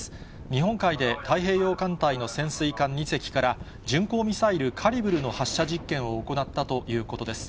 日本海で太平洋艦隊の潜水艦２隻から、巡航ミサイル、カリブルの発射実験を行ったということです。